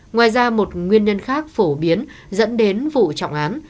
ngoài ra một nguyên nhân khác phổ biến dẫn đến vụ trọng án